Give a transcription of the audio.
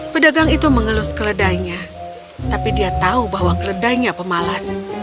pedagang itu mengelus keledainya tapi dia tahu bahwa keledainya pemalas